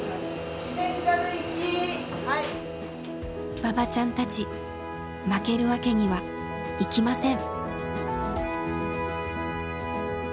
ばばちゃんたち負けるわけにはいきません！